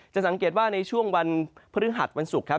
สังเกตว่าในช่วงวันพฤหัสวันศุกร์ครับ